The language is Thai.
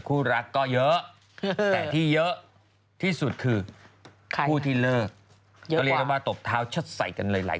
กลัวว่าผมจะต้องไปพูดให้ปากคำกับตำรวจยังไง